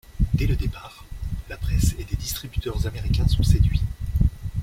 Dès le départ, la presse et des distributeurs américains sont séduits.